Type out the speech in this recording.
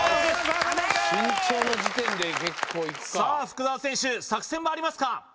頑張れさあ福澤選手作戦はありますか？